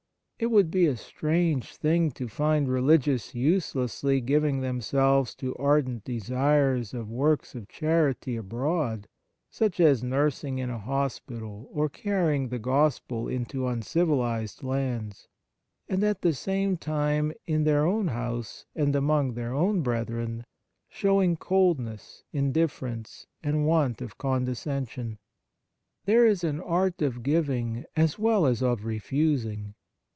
It would be a strange thing to find religious uselessly giving themselves to ardent desires of works of charity abroad, such as nursing in a hospital or carrying the Gospel into uncivilized lands, and at the same time in their own house and among their own brethren showing coldness, indifference, and want of condescension. There is an art of giving as well as of refusing.